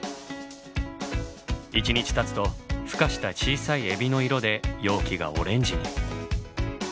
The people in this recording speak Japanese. １日たつとふ化した小さいエビの色で容器がオレンジに。